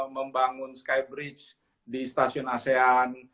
membangun skybridge di stasiun asean